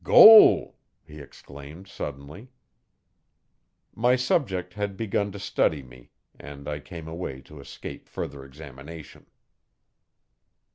'Gol!' he exclaimed suddenly. My subject had begun to study me, and I came away to escape further examination.